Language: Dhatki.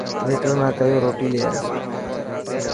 ويٽر ناڪيو روٽي لي آءِ.